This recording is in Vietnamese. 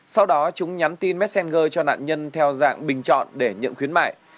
sau đó chúng nhắn tin messenger cho nạn nhân theo dạng bình chọn để nhận khuyến mại